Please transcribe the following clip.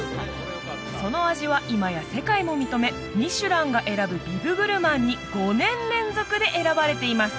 その味は今や世界も認めミシュランが選ぶビブグルマンに５年連続で選ばれています